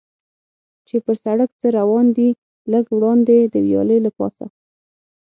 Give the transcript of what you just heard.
چې پر سړک څه روان دي، لږ وړاندې د ویالې له پاسه.